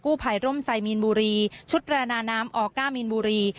กู้ภรรย์โภมศัยมีนบุรีชุดประดาน้ำออก้ามีนบุรี